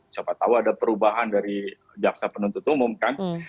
siapa tahu ada perubahan dari jaksa penuntut umum kan